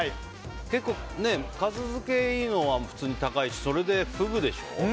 結構、粕漬けっていいのは普通に高いしそれでフグでしょ。